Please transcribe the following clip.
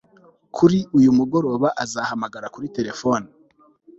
Kuri uyu mugoroba azahamagara kuri terefone